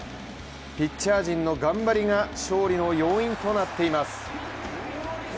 ピッチャー陣の頑張りが勝利の要因となっています。